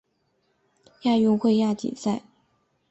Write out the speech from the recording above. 亚运会亚锦赛